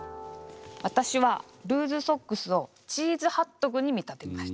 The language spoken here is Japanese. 私はルーズソックスをチーズハットグに見立てました。